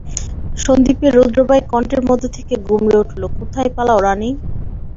সন্দীপের রুদ্ধপ্রায় কণ্ঠের মধ্যে থেকে গুমরে উঠল, কোথায় পালাও রানী?